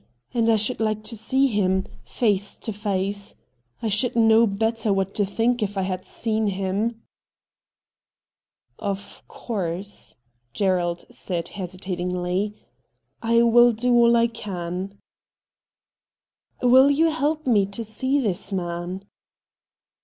And I should like to see him — face to face. I should know better what to think if I had seen him.' THE CULTURE COLLEGE 193 ' Of course,' Gerald said, hesitatingly, ' I will do all I can.' ' Will you help me to see this man